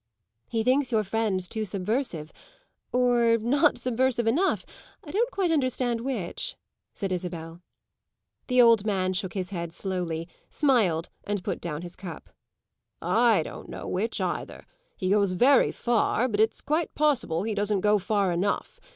"He thinks your friend's too subversive or not subversive enough! I don't quite understand which," said Isabel. The old man shook his head slowly, smiled and put down his cup. "I don't know which either. He goes very far, but it's quite possible he doesn't go far enough.